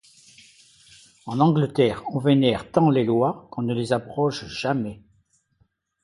En Angleterre on vénère tant les lois qu’on ne les abroge jamais.